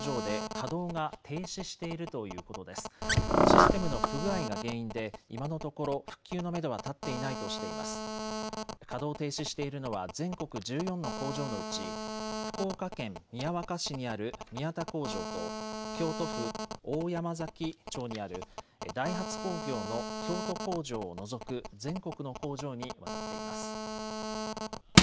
稼働を停止しているのは全国１４の工場のうち福岡県宮若市にある宮田工場と京都府大山崎町にあるダイハツ工業の京都工場を除く全国の工場にわたっています。